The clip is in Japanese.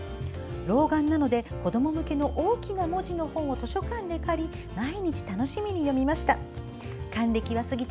老眼なので、子供向けの大きな文字の本を図書館で借り毎日楽しみに読みました。